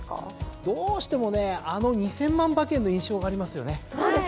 どうしてもねあの２，０００万馬券の印象がありますよね。